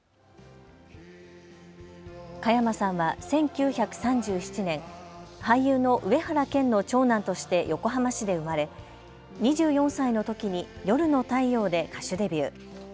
加山さんは１９３７年、俳優の上原謙の長男として横浜市で生まれ２４歳のときに夜の太陽で歌手デビュー。